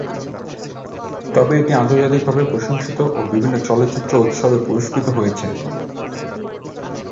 তবে এটি আন্তর্জাতিকভাবে প্রশংসিত ও বিভিন্ন চলচ্চিত্র উৎসবে পুরস্কৃত হয়েছে।